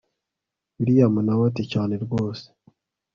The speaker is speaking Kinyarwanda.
william nawe ati cyane rwose